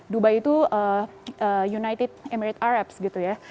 dubai itu united emirates arab gitu ya